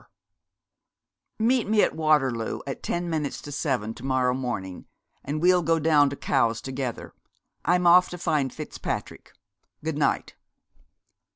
'Meet me at Waterloo at ten minutes to seven to morrow morning, and we'll go down to Cowes together. I'm off to find Fitzpatrick. Good night.'